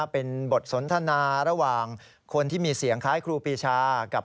เป็นบทสนทนาระหว่างคนที่มีเสียงคล้ายครูปีชากับ